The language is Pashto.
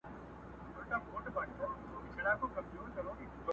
یو له بله بېلېدل سوه د دوستانو٫